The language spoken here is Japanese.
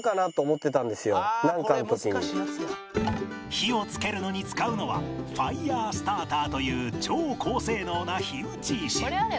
火をつけるのに使うのはファイヤースターターという超高性能な火打ち石